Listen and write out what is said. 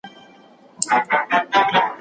يو څو زلميو ورته هېښ کتله